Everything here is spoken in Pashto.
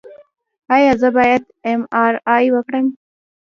ایا زه باید ایم آر آی وکړم؟